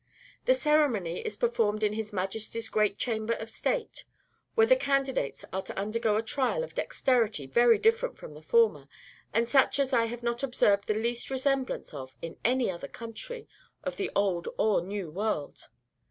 The ceremony is performed in his Majesty's great chamber of state, where the candidates are to undergo a trial of dexterity very different from the former, and such as I have not observed the least resemblance of in any other country of the old or new world.